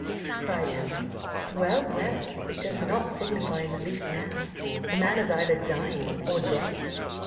cried Helen. "Well, well! it does not signify in the least now; the man is either dying or dead."